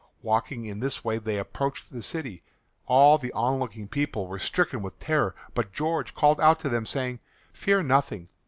Walking in this way they approached the city. All the onlooking people were stricken with terror, but George called out to them saying, "Fear nothing.